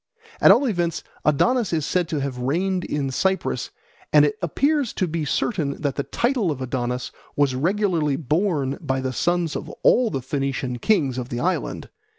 At all events Adonis is said to have reigned in Cyprus, and it appears to be certain that the title of Adonis was regularly borne by the sons of all the Phoenician kings of the island.